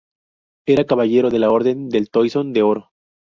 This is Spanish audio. Era caballero de la Orden del Toisón de Oro.